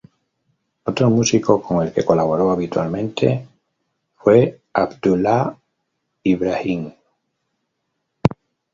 Otro músico con el que colaboró habitualmente fue Abdullah Ibrahim.